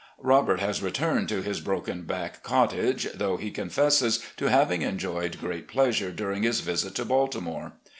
Robert has returned to his 'broken back cottage,' though he confesses to having enjoyed great pleasure during his visit to Baltimore.